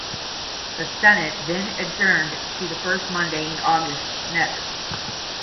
The Senate then adjourned to the first Monday in August next.